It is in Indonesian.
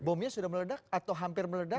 bomnya sudah meledak atau hampir meledak